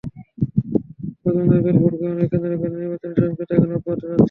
প্রথম ধাপের ভোট গ্রহণকে কেন্দ্র করে নির্বাচনী সহিংসতা এখনো অব্যাহত আছে।